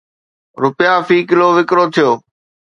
رپيا في ڪلو وڪرو ٿيو